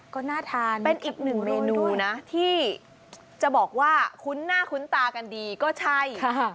ก็น่าทานเป็นอีกหนึ่งเมนูนะที่จะบอกว่าคุ้นหน้าคุ้นตากันดีก็ใช่